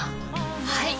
はい！